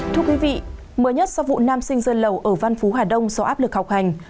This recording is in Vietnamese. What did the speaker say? thưa quý vị mới nhất sau vụ nam sinh sơn lầu ở văn phú hà đông do áp lực học hành